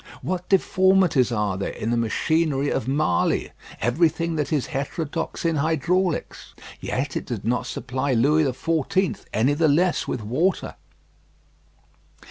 What deformities are there in the machinery of Marly! Everything that is heterodox in hydraulics. Yet it did not supply Louis XIV. any the less with water.